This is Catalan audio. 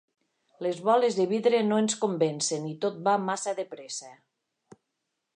Les boles de vidre no ens convencen i tot va massa de pressa.